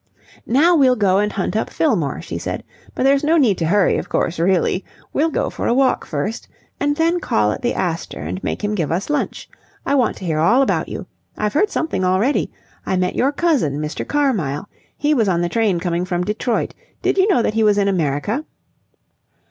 "Now we'll go and hunt up Fillmore," she said. "But there's no need to hurry, of course, really. We'll go for a walk first, and then call at the Astor and make him give us lunch. I want to hear all about you. I've heard something already. I met your cousin, Mr. Carmyle. He was on the train coming from Detroit. Did you know that he was in America?"